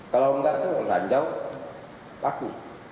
kalau enggak itu ranjau paku